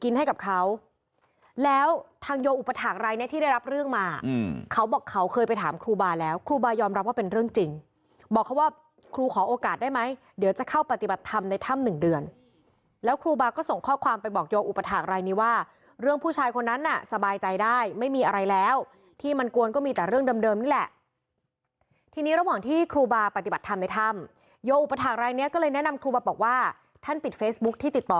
ทางโยอุปฐาครายนี้ที่ได้รับเรื่องมาเขาบอกเขาเคยไปถามครูบาแล้วครูบายอมรับว่าเป็นเรื่องจริงบอกเขาว่าครูขอโอกาสได้ไหมเดี๋ยวจะเข้าปฏิบัติธรรมในถ้ำหนึ่งเดือนแล้วครูบาก็ส่งข้อความไปบอกโยอุปฐาครายนี้ว่าเรื่องผู้ชายคนนั้นน่ะสบายใจได้ไม่มีอะไรแล้วที่มันกวนก็มีแต่เรื่องเดิมนี่แหละทีนี้ระหว่างท